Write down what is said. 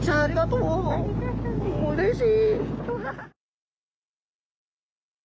うれしい。